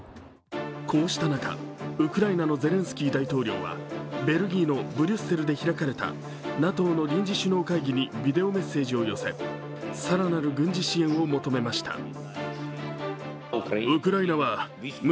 こうした中、ウクライナのゼレンスキー大統領はベルギーのブリュッセルで開かれたＮＡＴＯの臨時首脳会談にビデオメッセージを寄せ、更なる軍事支援を求めました。